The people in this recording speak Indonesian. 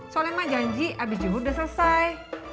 soalnya mak janji abis jubur udah selesai